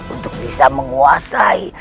untuk bisa menguasai